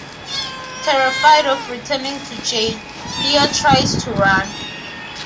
Terrified of returning to jail, Leo tries to run.